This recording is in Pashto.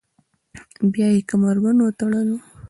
بیا یې کمربند وتړلو.